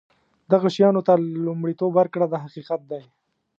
دغه شیانو ته لومړیتوب ورکړه دا حقیقت دی.